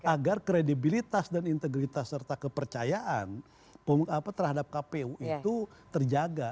agar kredibilitas dan integritas serta kepercayaan terhadap kpu itu terjaga